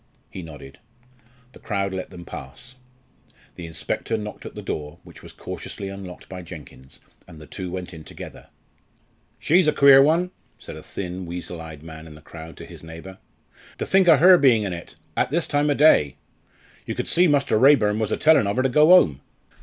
He nodded. The crowd let them pass. The inspector knocked at the door, which was cautiously unlocked by Jenkins, and the two went in together. "She's a queer one," said a thin, weasel eyed man in the crowd to his neighbour. "To think o' her bein' in it at this time o' day. You could see Muster Raeburn was a tellin' of her to go 'ome.